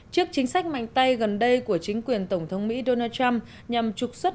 trước chính sách mạnh tay gần đây của chính quyền tổng thống mỹ donald trump nhằm trục xuất